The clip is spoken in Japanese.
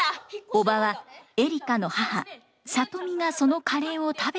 おばはエリカの母里美がそのカレーを食べたことがあるという。